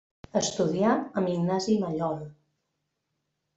Estudià amb Ignasi Mallol.